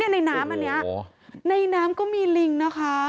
ในน้ำอันนี้ในน้ำก็มีลิงนะคะ